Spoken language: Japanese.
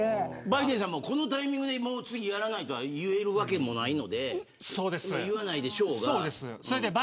バイデンさんもこのタイミングで次やらないと言えるわけないので言わないでしょうけど。